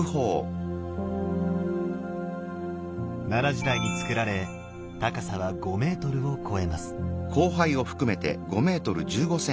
奈良時代につくられ高さは５ｍを超えます。